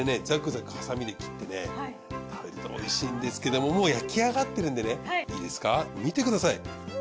ザクザクハサミで切ってね食べるとおいしいんですけどももう焼き上がってるんでねいいですか見てください。